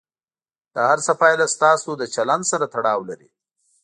د هر څه پایله ستاسو له چلند سره تړاو لري.